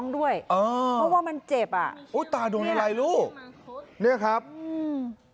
ด้วยเออเพราะว่ามันเจ็บอ่ะอุ้ยตาโดนอะไรลูกเนี้ยครับอืม